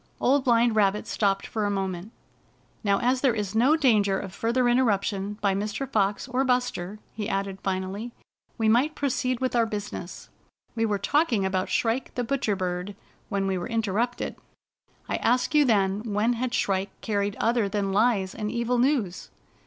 Old Blind Rabbit stopped for a mcment. "Now, as there is no danger of further inter ruption by Mr. Fox or Buster," he added jSnally, " we might proceed with our business. We were talking about Shrike the Butcher Bird when we were interrupted. I asked you then when had Shrike carried other than lies and evil news."